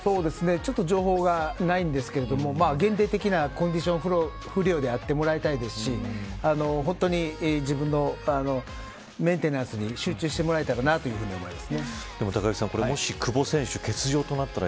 ちょっと情報がないんですけど限定的なコンディション不良であってもらいたいですし本当に、自分のメンテナンスに集中してもらえたらなと思います。